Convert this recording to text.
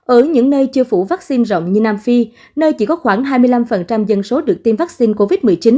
ở những nơi chưa phủ vaccine rộng như nam phi nơi chỉ có khoảng hai mươi năm dân số được tiêm vaccine covid một mươi chín